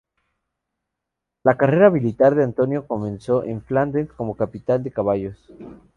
La carrera militar de Antonio comenzó en Flandes como capitán de caballos.